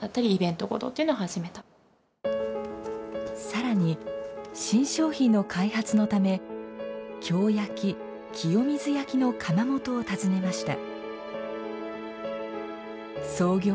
更に新商品の開発のため京焼・清水焼の窯元を訪ねました創業